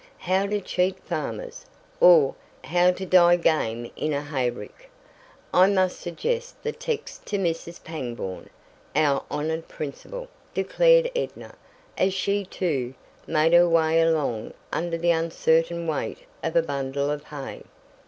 'How to cheat farmers; or, how to die game in a hayrick!' I must suggest the text to Mrs. Pangborn, our honored principal," declared Edna, as she, too, made her way along under the uncertain weight of a bundle of hay.